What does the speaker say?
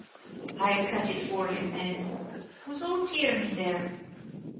"I'll cut it for him, then. Was ould Tierney there?"